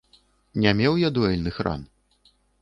Не меў я дуэльных ран.